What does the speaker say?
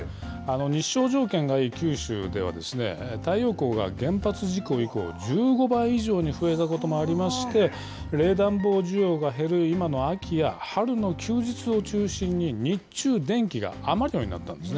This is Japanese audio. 日照条件がいい九州ではですね、太陽光が原発事故以降、１５倍以上に増えたこともありまして、冷暖房需要が減る今の秋や春の休日を中心に日中、余る。